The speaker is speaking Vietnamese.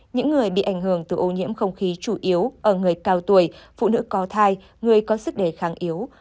những người bị ảnh hưởng từ ô nhiễm không khí chủ yếu ở người cao tuổi phụ nữ có thai người có sức đề kháng yếu